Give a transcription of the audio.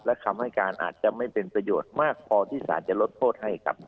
และคำให้การอาจจะไม่เป็นประโยชน์มากพอที่สารจะลดโทษให้ครับ